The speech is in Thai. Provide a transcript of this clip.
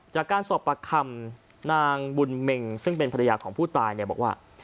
จากการสอบประคำนางบุญเมงซึ่งเป็นภรรยาของผู้ตายเนี่ยบอกว่า